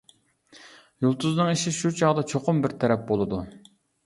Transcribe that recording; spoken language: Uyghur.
يۇلتۇزنىڭ ئىشى شۇ چاغدا چوقۇم بىر تەرەپ بولىدۇ.